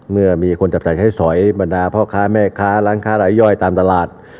เมื่อมีคนจับใจใช่สวยบรรดาพลคหาแม่คาร้านคาไร้ย่อยตามตลาด